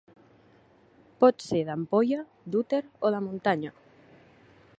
Pot ser d'ampolla, d'úter o de muntanya.